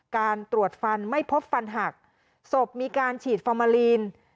การตรวจฟันไม่พบฟันหักศพมีการฉีดฟอร์มาลีน